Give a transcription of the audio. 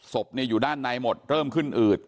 ศพอยู่ด้านในหมดเริ่มขึ้นอืด